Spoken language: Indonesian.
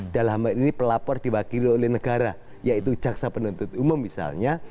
dalam hal ini pelapor diwakili oleh negara yaitu jaksa penuntut umum misalnya